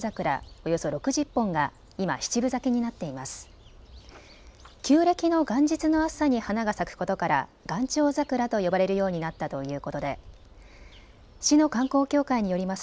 およそ６０本が今、７分咲きになっています。